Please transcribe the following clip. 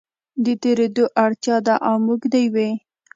د تېرېدو اړتیا ده او موږ د یوې